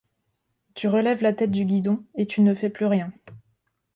tu relèves la tête du guidon et tu ne fais plus rien.